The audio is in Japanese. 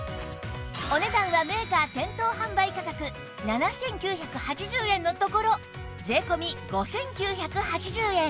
お値段はメーカー店頭販売価格７９８０円のところ税込５９８０円